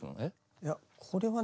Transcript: いやこれはね